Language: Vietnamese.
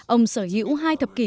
ông sở hữu hai thập kỷ